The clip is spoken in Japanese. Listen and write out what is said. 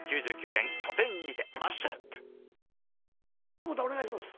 百田お願いします。